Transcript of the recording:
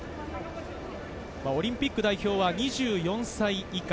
オリンピック代表は２４歳以下。